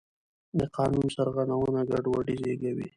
د قانون سرغړونه ګډوډي زېږوي